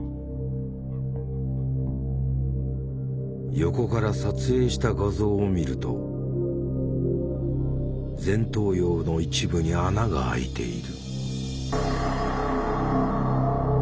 横から撮影した画像を見ると前頭葉の一部に穴があいている。